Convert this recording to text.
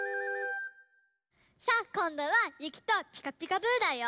さあこんどはゆきと「ピカピカブ！」だよ。